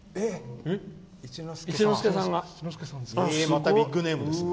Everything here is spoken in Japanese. またビッグネームですね。